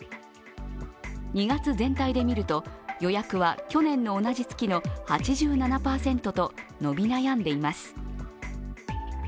２月全体で見ると予約は去年の同じ月の８７％と伸び悩んでいます。